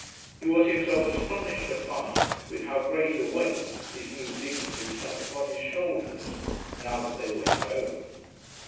He was himself astonished to find with how great a weight his new dignities sat upon his shoulders, now that they were his own.